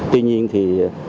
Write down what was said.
tuy nhiên thì